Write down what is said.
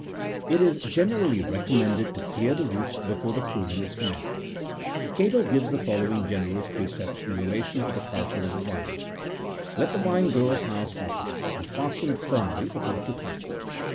It is generally recommended to clear the roots before the pruning48 is com menced. Cato49 gives the following general precepts in relation to the culture of the vine :—" Let the vine grow as high as possible, and fasten it firmly, but not too tight.